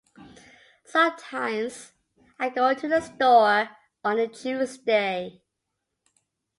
Sometimes, I go to the store on a Tuesday.